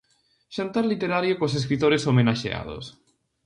Xantar literario cos escritores homenaxeados.